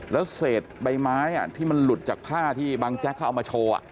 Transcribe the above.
แล้วเศษใบไม้ที่มันหลุดจากผ้าที่บางแจ๊กเขาเอามาโชว์